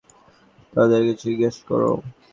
তাদেরকে জিজ্ঞেস করো!